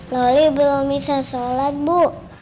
loli belum bisa sholat bu